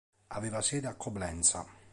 Aveva sede a Coblenza.